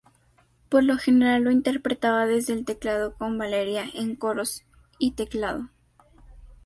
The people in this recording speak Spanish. Por lo general lo interpretaba desde el teclado con Valeria en coros y teclado.